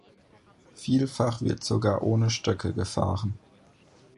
Vielfach wird sogar ohne Stöcke gefahren.